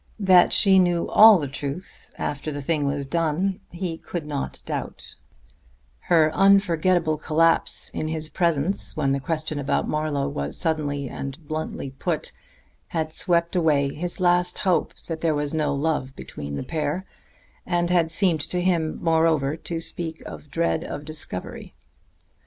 That she knew all the truth after the thing was done, he could not doubt; her unforgettable collapse in his presence when the question about Marlowe was suddenly and bluntly put had swept away his last hope that there was no love between the pair, and had seemed to him, moreover, to speak of dread of discovery.